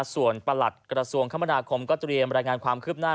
ส่วนประหลัดกระทรวงคมนาคมก็เตรียมรายงานความคืบหน้า